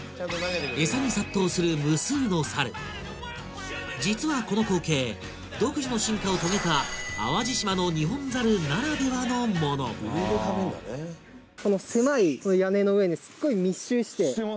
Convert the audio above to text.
エサに殺到する無数のサル実はこの光景独自の進化を遂げた淡路島のニホンザルならではのもの上で食べるんだねしてますね